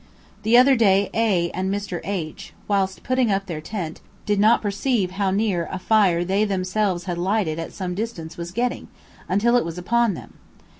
The other day A and Mr. H , whilst putting up their tent, did not perceive how near a fire they themselves had lighted at some distance was getting, until it was upon them.